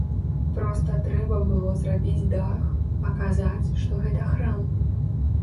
Проста трэба было зрабіць дах, паказаць, што гэта храм.